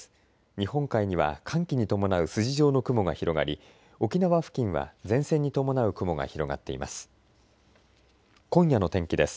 日本海には寒気に伴う筋状の雲が広がり沖縄付近は前線に伴う雲が広がっています。